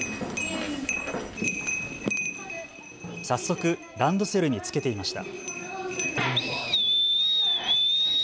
早速ランドセルに付けていました。